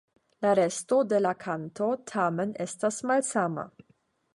La resto de la kanto, tamen, estas malsama.